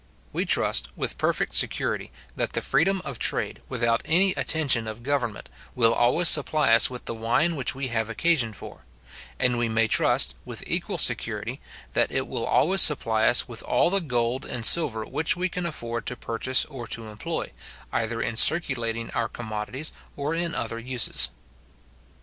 We trust, with perfect security, that the freedom of trade, without any attention of government, will always supply us with the wine which we have occasion for; and we may trust, with equal security, that it will always supply us with all the gold and silver which we can afford to purchase or to employ, either in circulating our commodities or in other uses.